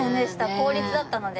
公立だったので。